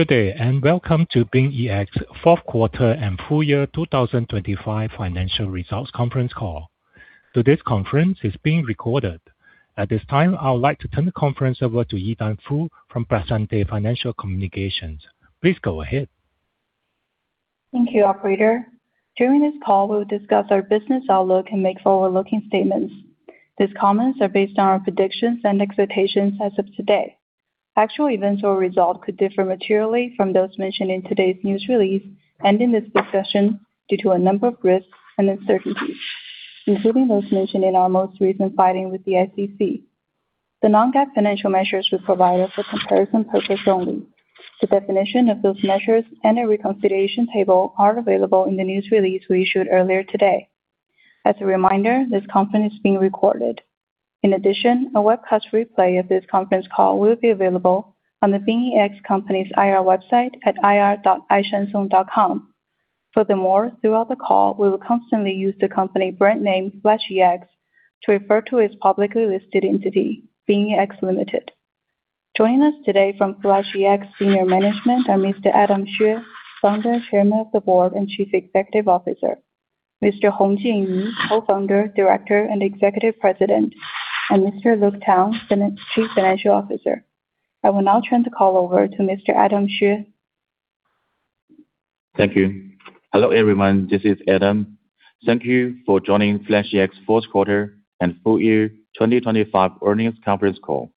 Good day, and welcome to BingEx Fourth Quarter and Full Year 2025 Financial Results Conference Call. Today's conference is being recorded. At this time, I would like to turn the conference over to Yidan Fu from Piacente Financial Communications. Please go ahead. Thank you, operator. During this call, we will discuss our business outlook and make forward-looking statements. These comments are based on our predictions and expectations as of today. Actual events or results could differ materially from those mentioned in today's news release and in this discussion due to a number of risks and uncertainties, including those mentioned in our most recent filing with the SEC. The non-GAAP financial measures we provide are for comparison purposes only. The definition of those measures and a reconciliation table are available in the news release we issued earlier today. As a reminder, this conference is being recorded. In addition, a webcast replay of this conference call will be available on the BingEx company's IR website at ir.ishansong.com. Furthermore, throughout the call, we will consistently use the company brand name FlashEx to refer to its publicly listed entity, BingEx Limited. Joining us today from FlashEx senior management are Mr. Adam Xue, Founder, Chairman of the Board, and Chief Executive Officer. Mr. Hongjian Yu, Co-Founder, Director, and Executive President, and Mr. Luke Tang, Chief Financial Officer. I will now turn the call over to Mr. Adam Xue. Thank you. Hello, everyone. This is Adam. Thank you for joining FlashEx Fourth Quarter and Full Year 2025 Earnings Conference Call.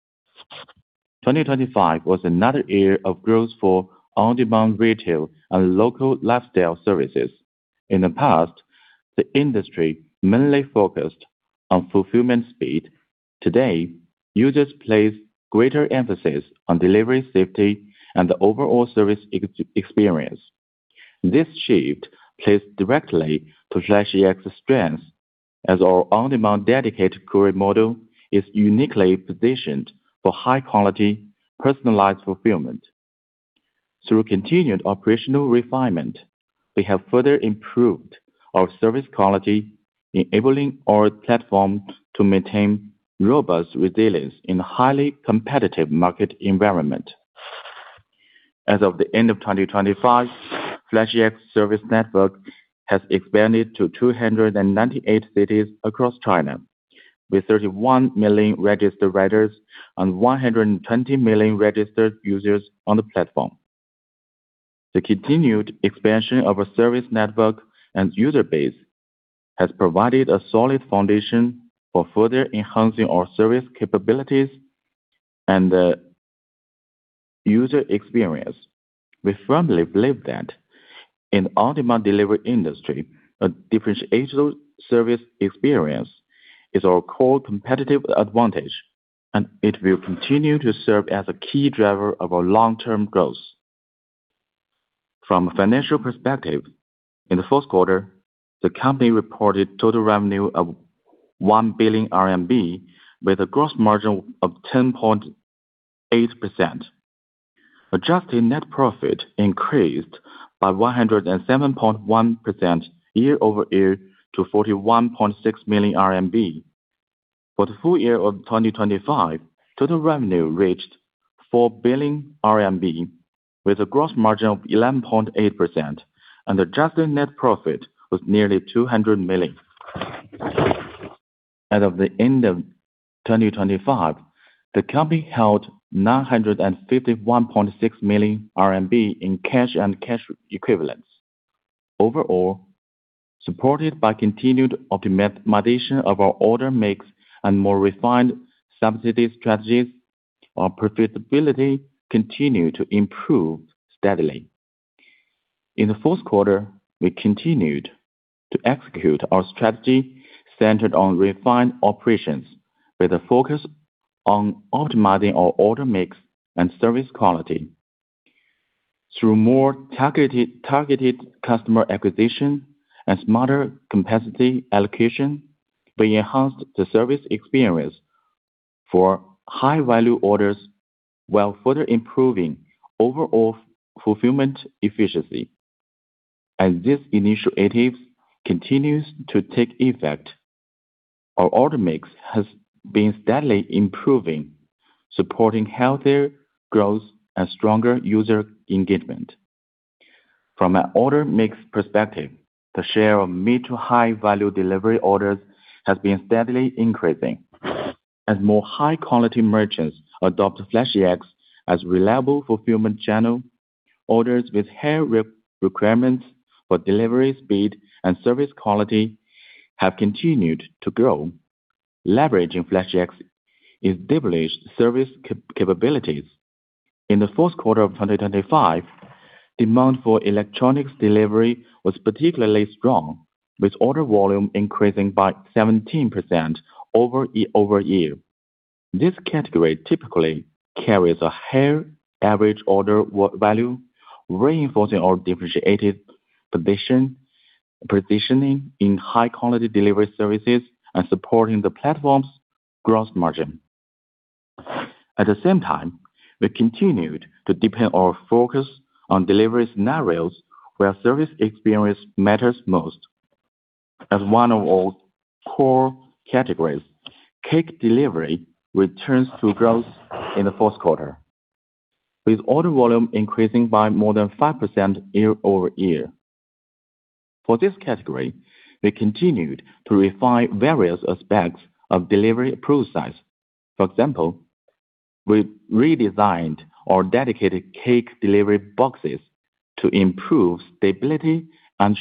2025 was another year of growth for on-demand retail and local lifestyle services. In the past, the industry mainly focused on fulfillment speed. Today, users place greater emphasis on delivery safety and the overall service experience. This shift plays directly to FlashEx strength as our on-demand dedicated courier model is uniquely positioned for high quality, personalized fulfillment. Through continued operational refinement, we have further improved our service quality, enabling our platform to maintain robust resilience in highly competitive market environment. As of the end of 2025, FlashEx service network has expanded to 298 cities across China, with 31 million registered riders and 120 million registered users on the platform. The continued expansion of our service network and user base has provided a solid foundation for further enhancing our service capabilities and user experience. We firmly believe that in on-demand delivery industry, a differential service experience is our core competitive advantage, and it will continue to serve as a key driver of our long-term growth. From a financial perspective, in the fourth quarter, the company reported total revenue of 1 billion RMB with a gross margin of 10.8%. Adjusted net profit increased by 107.1% year-over-year to 41.6 million RMB. For the full year of 2025, total revenue reached 4 billion RMB with a gross margin of 11.8%, and adjusted net profit was nearly 200 million. As of the end of 2025, the company held 951.6 million RMB in cash and cash equivalents. Overall, supported by continued optimization of our order mix and more refined subsidy strategies, our profitability continued to improve steadily. In the fourth quarter, we continued to execute our strategy centered on refined operations with a focus on optimizing our order mix and service quality. Through more targeted customer acquisition and smarter capacity allocation, we enhanced the service experience for high-value orders while further improving overall fulfillment efficiency. As these initiatives continues to take effect, our order mix has been steadily improving, supporting healthier growth and stronger user engagement. From an order mix perspective, the share of mid to high value delivery orders has been steadily increasing. As more high quality merchants adopt FlashEx as reliable fulfillment channel, orders with higher requirements for delivery speed and service quality have continued to grow, leveraging FlashEx established service capabilities. In the fourth quarter of 2025, demand for electronics delivery was particularly strong, with order volume increasing by 17% year-over-year. This category typically carries a higher average order value, reinforcing our differentiated positioning in high quality delivery services and supporting the platform's gross margin. At the same time, we continued to deepen our focus on delivery scenarios where service experience matters most. As one of our core categories, cake delivery returns to growth in the fourth quarter, with order volume increasing by more than 5% year-over-year. For this category, we continued to refine various aspects of delivery process. For example, we redesigned our dedicated cake delivery boxes to improve stability and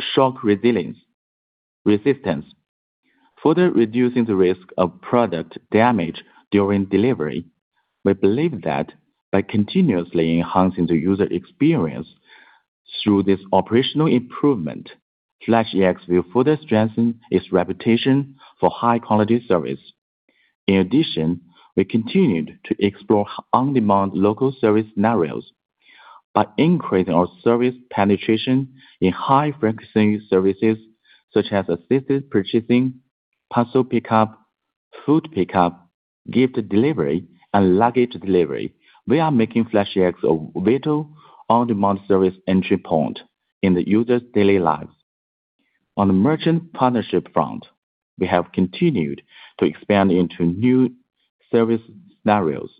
shock resilience and resistance, further reducing the risk of product damage during delivery. We believe that by continuously enhancing the user experience through this operational improvement, FlashEx will further strengthen its reputation for high-quality service. In addition, we continued to explore on-demand local service scenarios by increasing our service penetration in high-frequency services such as assisted purchasing, parcel pickup, food pickup, gift delivery, and luggage delivery. We are making FlashEx available on-demand service entry point in the user's daily lives. On the merchant partnership front, we have continued to expand into new service scenarios.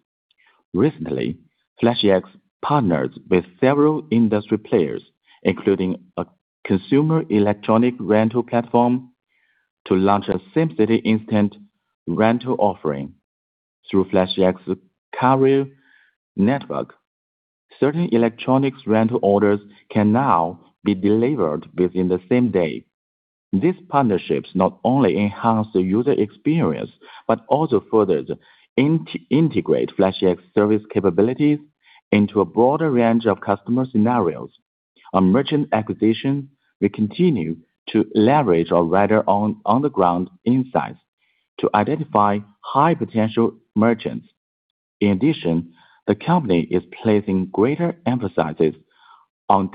Recently, FlashEx partners with several industry players, including a consumer electronics rental platform, to launch a same-city instant rental offering through FlashEx courier network. Certain electronics rental orders can now be delivered within the same day. These partnerships not only enhance the user experience, but also further integrate FlashEx service capabilities into a broader range of customer scenarios. On merchant acquisition, we continue to leverage our rider on-the-ground insights to identify high-potential merchants. In addition, the company is placing greater emphasis on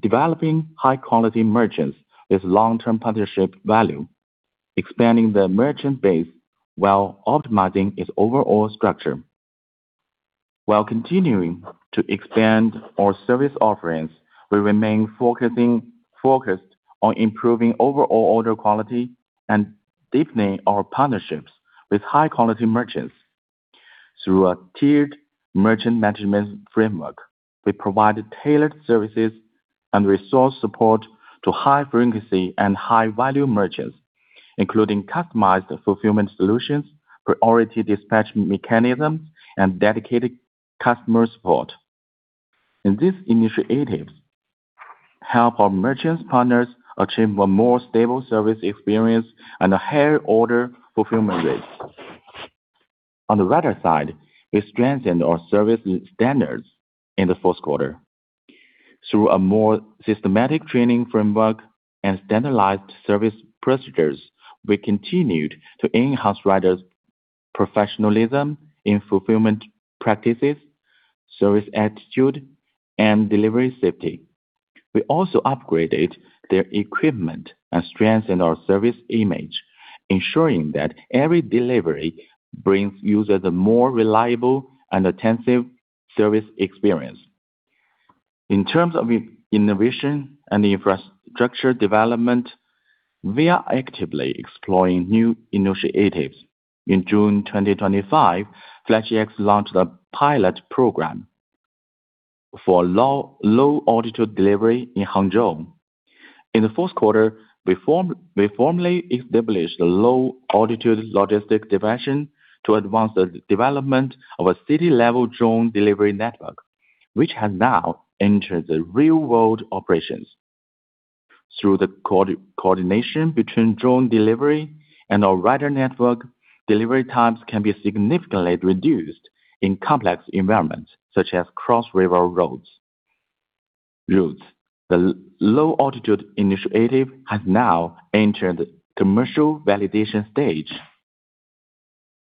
developing high-quality merchants with long-term partnership value, expanding the merchant base while optimizing its overall structure. While continuing to expand our service offerings, we remain focused on improving overall order quality and deepening our partnerships with high-quality merchants. Through a tiered merchant management framework, we provide tailored services and resource support to high-frequency and high-value merchants, including customized fulfillment solutions, priority dispatch mechanisms, and dedicated customer support. These initiatives help our merchant partners achieve a more stable service experience and a higher order fulfillment rate. On the rider side, we strengthened our service standards in the fourth quarter. Through a more systematic training framework and standardized service procedures, we continued to enhance riders' professionalism in fulfillment practices, service attitude, and delivery safety. We also upgraded their equipment and strengthened our service image, ensuring that every delivery brings users a more reliable and attentive service experience. In terms of innovation and infrastructure development, we are actively exploring new initiatives. In June 2025, FlashEx launched a pilot program for low-altitude delivery in Hangzhou. In the fourth quarter, we formally established a low-altitude logistics division to advance the development of a city-level drone delivery network, which has now entered the real-world operations. Through the coordination between drone delivery and our rider network, delivery times can be significantly reduced in complex environments, such as cross-river road routes. The low-altitude initiative has now entered commercial validation stage,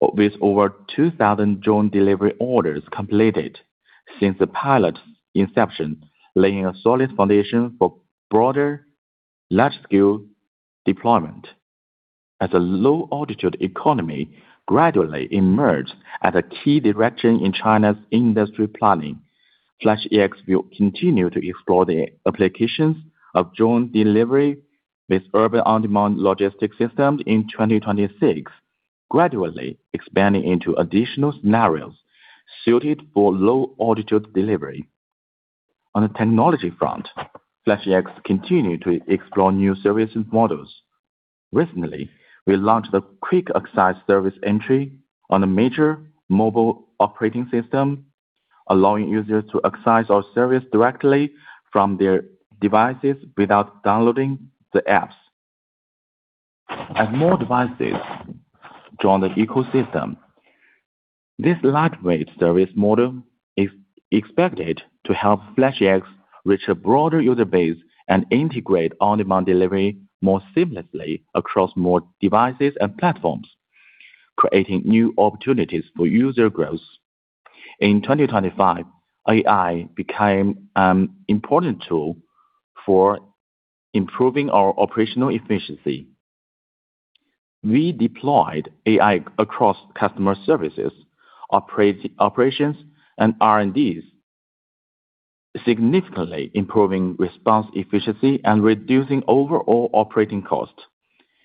with over 2,000 drone delivery orders completed since the pilot inception, laying a solid foundation for broader large-scale deployment. As a low-altitude economy gradually emerged as a key direction in China's industry planning, FlashEx will continue to explore the applications of drone delivery with urban on-demand logistics systems in 2026, gradually expanding into additional scenarios suited for low-altitude delivery. On the technology front, FlashEx continue to explore new service models. Recently, we launched a quick access service entry on a major mobile operating system, allowing users to access our service directly from their devices without downloading the apps. As more devices join the ecosystem, this lightweight service model is expected to help FlashEx reach a broader user base and integrate on-demand delivery more seamlessly across more devices and platforms, creating new opportunities for user growth. In 2025, AI became an important tool for improving our operational efficiency. We deployed AI across customer services, operations, and R&D, significantly improving response efficiency and reducing overall operating costs.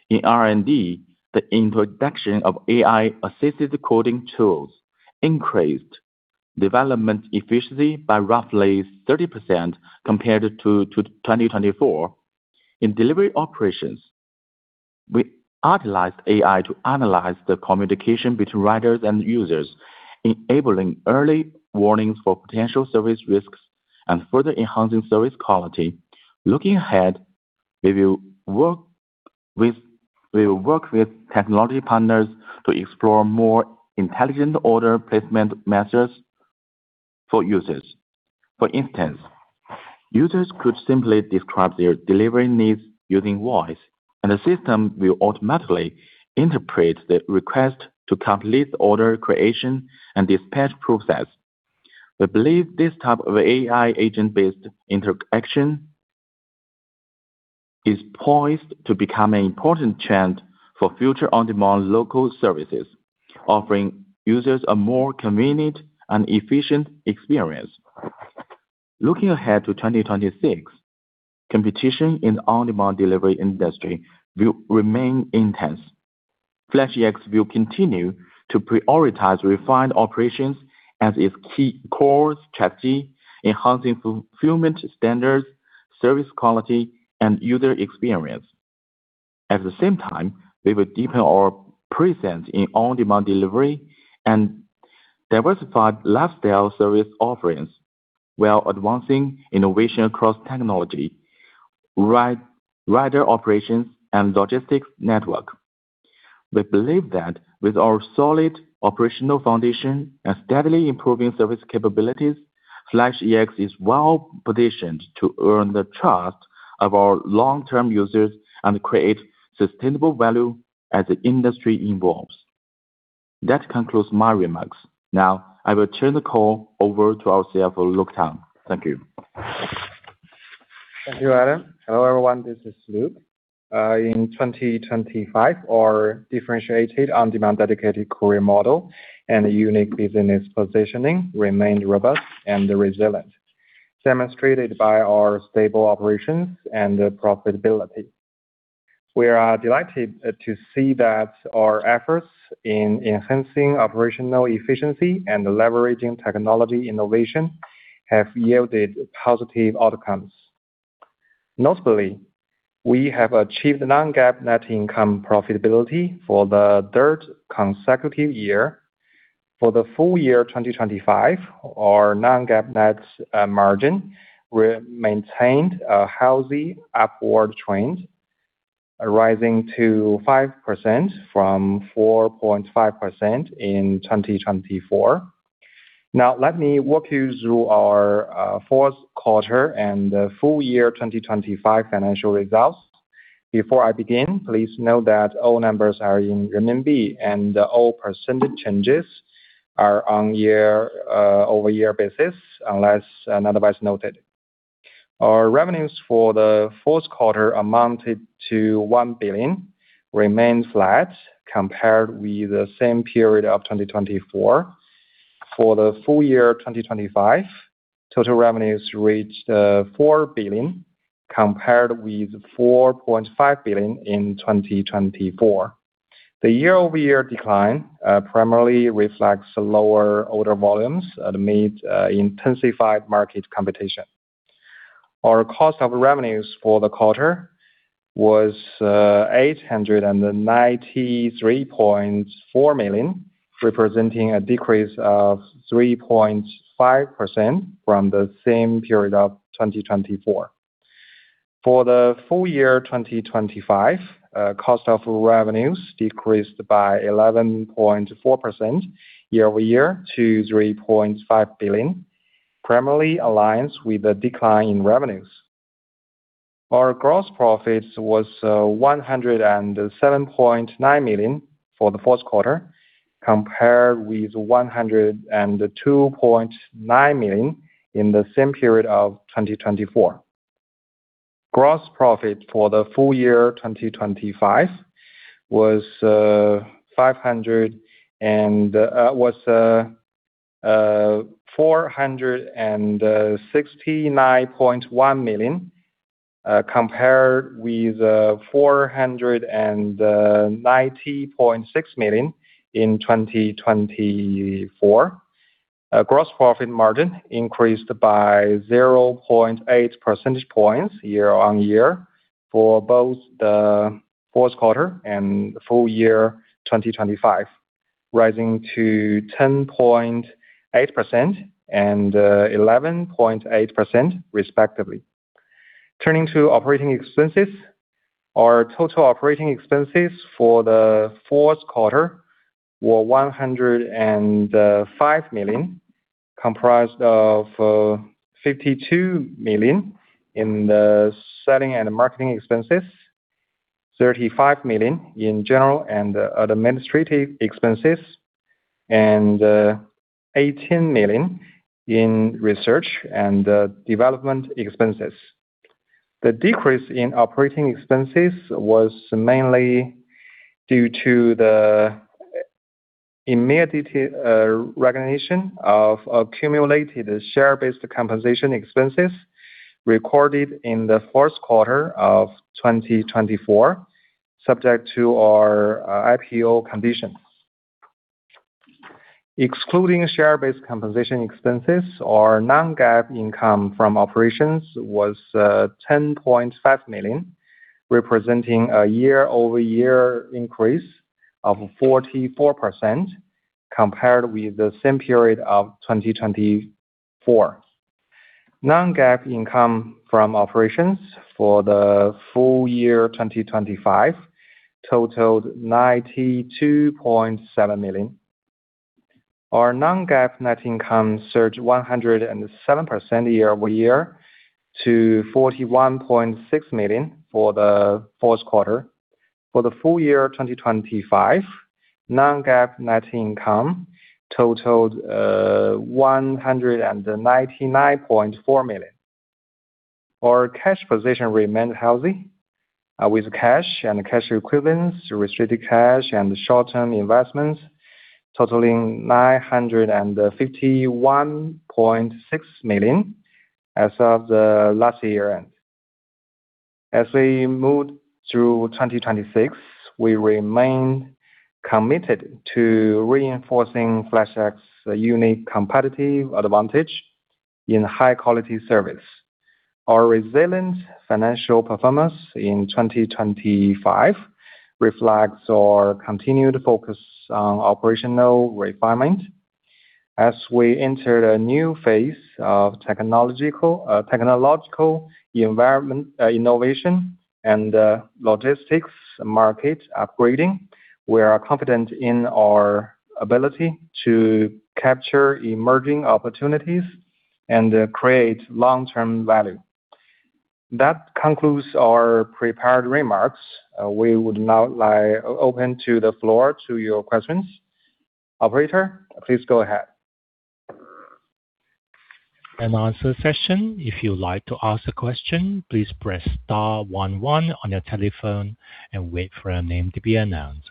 In R&D, the introduction of AI-assisted coding tools increased development efficiency by roughly 30% compared to 2024. In delivery operations, we utilized AI to analyze the communication between riders and users, enabling early warnings for potential service risks and further enhancing service quality. Looking ahead, we will work with technology partners to explore more intelligent order placement methods for users. For instance, users could simply describe their delivery needs using voice, and the system will automatically interpret the request to complete the order creation and dispatch process. We believe this type of AI agent-based interaction is poised to become an important trend for future on-demand local services, offering users a more convenient and efficient experience. Looking ahead to 2026, competition in the on-demand delivery industry will remain intense. FlashEx will continue to prioritize refined operations as its key core strategy, enhancing fulfillment standards, service quality, and user experience. At the same time, we will deepen our presence in on-demand delivery and diversified lifestyle service offerings, while advancing innovation across technology, rider operations, and logistics network. We believe that with our solid operational foundation and steadily improving service capabilities, FlashEx is well-positioned to earn the trust of our long-term users and create sustainable value as the industry evolves. That concludes my remarks. Now, I will turn the call over to our CFO, Luke Tang. Thank you. Thank you, Adam. Hello, everyone, this is Luke. In 2025, our differentiated on-demand dedicated courier model and unique business positioning remained robust and resilient, demonstrated by our stable operations and profitability. We are delighted to see that our efforts in enhancing operational efficiency and leveraging technology innovation have yielded positive outcomes. Notably, we have achieved non-GAAP net income profitability for the third consecutive year. For the full year 2025, our non-GAAP net margin remained a healthy upward trend, rising to 5% from 4.5% in 2024. Now, let me walk you through our fourth quarter and full year 2025 financial results. Before I begin, please note that all numbers are in renminbi and all percentage changes are on year-over-year basis unless otherwise noted. Our revenues for the fourth quarter amounted to 1 billion, remained flat compared with the same period of 2024. For the full year 2025, total revenues reached 4 billion compared with 4.5 billion in 2024. The year-over-year decline primarily reflects lower order volumes amid intensified market competition. Our cost of revenues for the quarter was 893.4 million, representing a decrease of 3.5% from the same period of 2024. For the full year 2025, cost of revenues decreased by 11.4% year-over-year to 3.5 billion, primarily aligns with the decline in revenues. Our gross profits was 107.9 million for the fourth quarter, compared with 102.9 million in the same period of 2024. Gross profit for the full year 2025 was 469.1 million, compared with 490.6 million in 2024. Our gross profit margin increased by 0.8 percentage points year-on-year for both the fourth quarter and full year 2025, rising to 10.8% and 11.8% respectively. Turning to operating expenses. Our total operating expenses for the fourth quarter were 105 million, comprised of 52 million in the selling and marketing expenses, 35 million in general and administrative expenses. 18 million in research and development expenses. The decrease in operating expenses was mainly due to the immediate recognition of accumulated share-based compensation expenses recorded in the fourth quarter of 2024, subject to our IPO conditions. Excluding share-based compensation expenses, our non-GAAP income from operations was 10.5 million, representing a year-over-year increase of 44% compared with the same period of 2024. Non-GAAP income from operations for the full year 2025 totaled 92.7 million. Our non-GAAP net income surged 107% year-over-year to 41.6 million for the fourth quarter. For the full year 2025, non-GAAP net income totaled 199.4 million. Our cash position remained healthy, with cash and cash equivalents, restricted cash and short-term investments totaling 951.6 million as of the last year end. As we move through 2026, we remain committed to reinforcing FlashEx's unique competitive advantage in high-quality service. Our resilient financial performance in 2025 reflects our continued focus on operational refinement. As we enter a new phase of technological environment, innovation, and logistics market upgrading, we are confident in our ability to capture emerging opportunities and create long-term value. That concludes our prepared remarks. We would now like to open the floor to your questions. Operator, please go ahead. Answer session. If you'd like to ask a question, please press star one one on your telephone and wait for your name to be announced.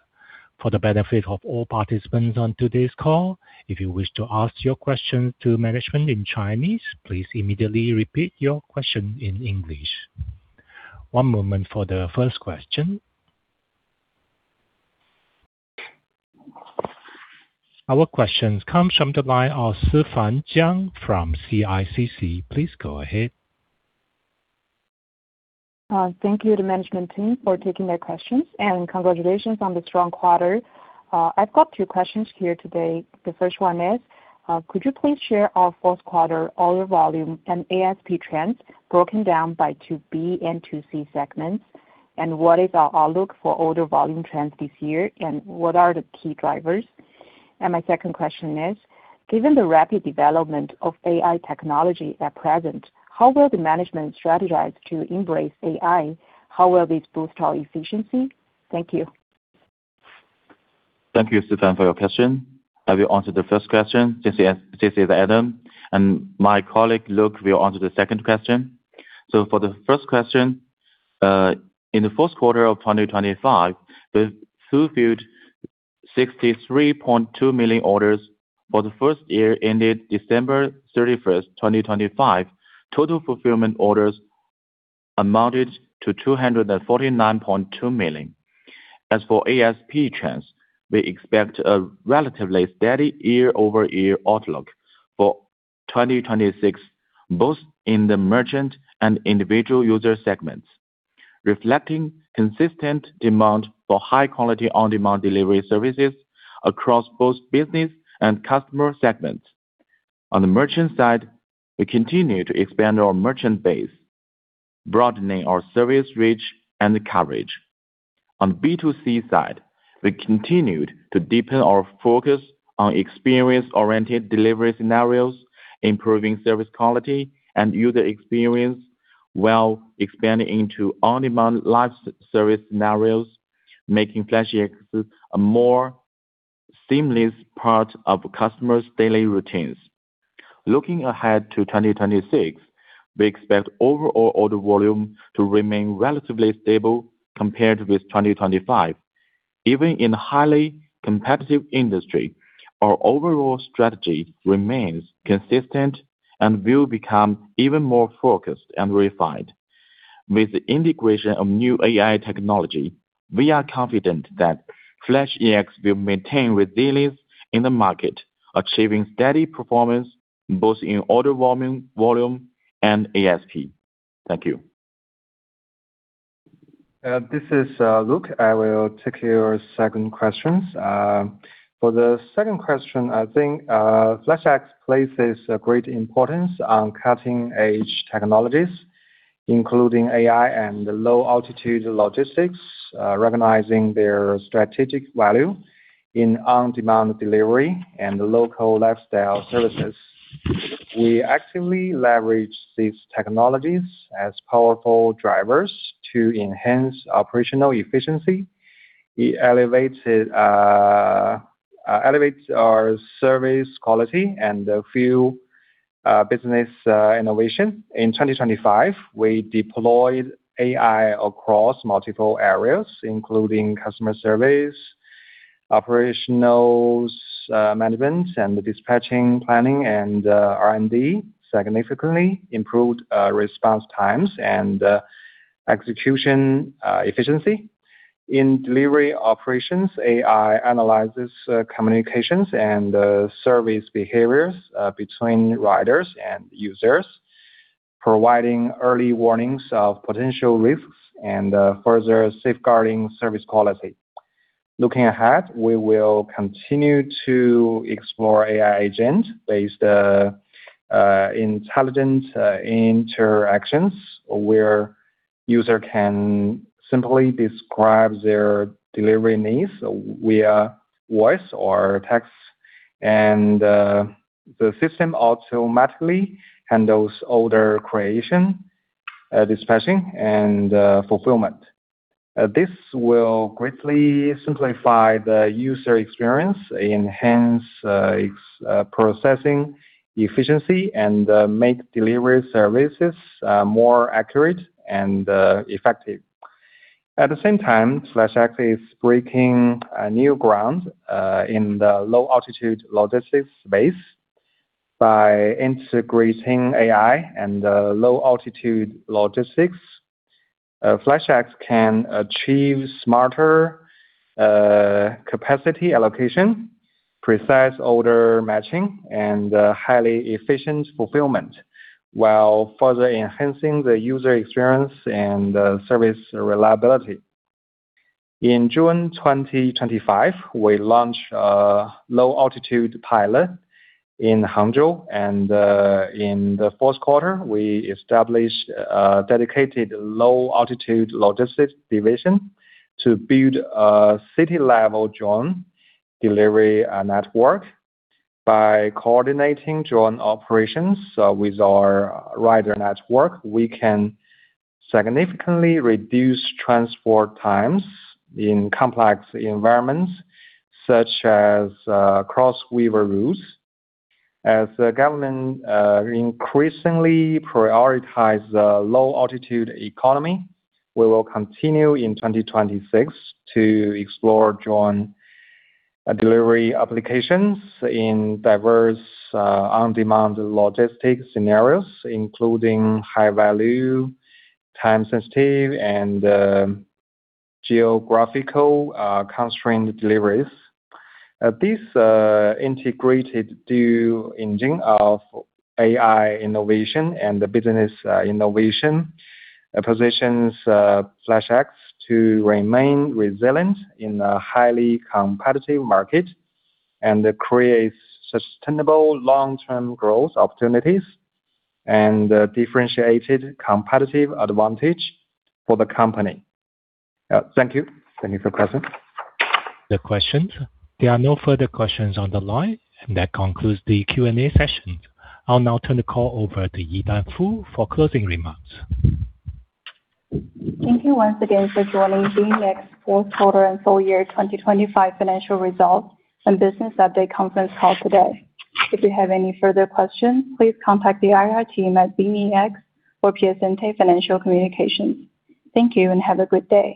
For the benefit of all participants on today's call, if you wish to ask your question to management in Chinese, please immediately repeat your question in English. One moment for the first question. Our question comes from the line of Sifan Jiang from CICC. Please go ahead. Thank you to management team for taking the questions, and congratulations on the strong quarter. I've got two questions here today. The first one is, could you please share our fourth quarter order volume and ASP trends broken down by B2B and B2C segments? What is our outlook for order volume trends this year, and what are the key drivers? My second question is, given the rapid development of AI technology at present, how will the management strategize to embrace AI? How will this boost our efficiency? Thank you. Thank you, Sifan, for your question. I will answer the first question. This is Adam. My colleague, Luke, will answer the second question. For the first question, in the fourth quarter of 2025, we fulfilled 63.2 million orders. For the first year ended December 31, 2025, total fulfillment orders amounted to 249.2 million. As for ASP trends, we expect a relatively steady year-over-year outlook for 2026, both in the merchant and individual user segments, reflecting consistent demand for high-quality on-demand delivery services across both business and customer segments. On the merchant side, we continue to expand our merchant base, broadening our service reach and coverage. On B2C side, we continued to deepen our focus on experience-oriented delivery scenarios, improving service quality and user experience while expanding into on-demand life-service scenarios, making FlashEx a more seamless part of customers' daily routines. Looking ahead to 2026, we expect overall order volume to remain relatively stable compared with 2025. Even in a highly competitive industry, our overall strategy remains consistent and will become even more focused and refined. With the integration of new AI technology, we are confident that FlashEx will maintain resilience in the market, achieving steady performance both in order volume and ASP. Thank you. This is Luke. I will take your second question. For the second question, I think, FlashEx places a great importance on cutting-edge technologies, including AI and low-altitude logistics, recognizing their strategic value in on-demand delivery and local lifestyle services. We actively leverage these technologies as powerful drivers to enhance operational efficiency. It elevates our service quality and fuels business innovation. In 2025, we deployed AI across multiple areas, including customer service, operations management and dispatching, planning, and R&D, significantly improved response times and execution efficiency. In delivery operations, AI analyzes communications and service behaviors between riders and users, providing early warnings of potential risks and further safeguarding service quality. Looking ahead, we will continue to explore AI agent-based intelligent interactions where user can simply describe their delivery needs via voice or text, and the system automatically handles order creation, dispatching, and fulfillment. This will greatly simplify the user experience, enhance its processing efficiency, and make delivery services more accurate and effective. At the same time, FlashEx is breaking new ground in the low-altitude logistics space. By integrating AI and the low-altitude logistics, FlashEx can achieve smarter capacity allocation, precise order matching, and highly efficient fulfillment while further enhancing the user experience and the service reliability. In June 2025, we launched a low-altitude pilot in Hangzhou, and in the fourth quarter, we established a dedicated low-altitude logistics division to build a city-level drone delivery network. By coordinating drone operations with our rider network, we can significantly reduce transport times in complex environments such as cross river routes. As the government increasingly prioritize the low-altitude economy, we will continue in 2026 to explore drone delivery applications in diverse on-demand logistics scenarios, including high-value, time-sensitive, and geographical constrained deliveries. This integrated dual engine of AI innovation and business innovation positions FlashEx to remain resilient in a highly competitive market, and creates sustainable long-term growth opportunities and a differentiated competitive advantage for the company. Thank you. Thank you for your question. The questions. There are no further questions on the line, and that concludes the Q&A session. I'll now turn the call over to Yidan Fu for closing remarks. Thank you once again for joining BingEx's fourth quarter and full year 2025 financial results and business update conference call today. If you have any further questions, please contact the IR team at BingEx or Piacente Financial Communications. Thank you and have a good day.